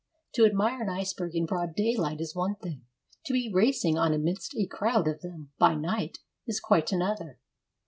To admire an iceberg in broad daylight is one thing; to be racing on amidst a crowd of them by night is quite another.